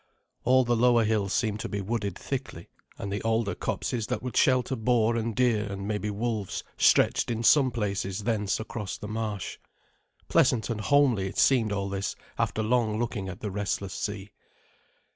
All the lower hills seemed to be wooded thickly, and the alder copses that would shelter boar and deer and maybe wolves stretched in some places thence across the marsh. Pleasant and homely seemed all this after long looking at the restless sea.